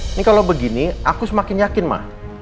ini kalau begini aku semakin yakin ma